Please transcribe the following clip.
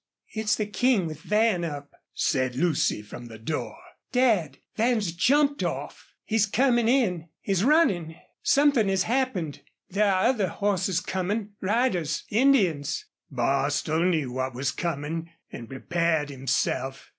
"It's the King with Van up," said Lucy, from the door. "Dad, Van's jumped off he's coming in ... he's running. Something has happened.... There are other horses coming riders Indians." Bostil knew what was coming and prepared himself.